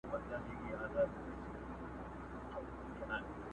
زېری د خزان یم له بهار سره مي نه لګي!٫.